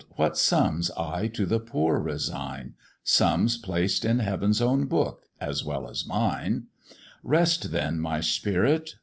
what sums I to the poor resign, Sums placed in Heaven's own book, as well as mine: Rest then, my spirit!